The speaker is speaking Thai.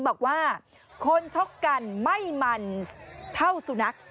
บอกว่าคนชกกันไม่มันเท่าสุนัข